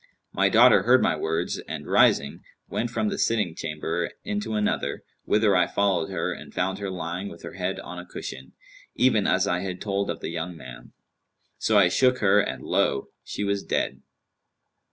My daughter heard my words and rising, went from the sitting chamber into another, whither I followed her and found her lying with her head on a cushion, even as I had told of the young man. So I shook her and lo! she was dead.